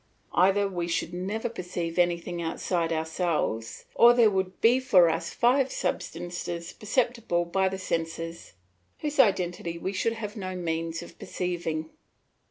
Either we should never perceive anything outside ourselves, or there would be for us five substances perceptible by the senses, whose identity we should have no means of perceiving.